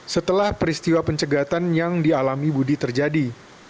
setelah peristiwa pencegatan yang dialami budi terjadi